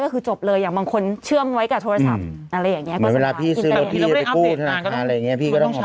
เหมือนฉบับรอยบ้างนะครับก่อนนี้อะไรอย่างนั้น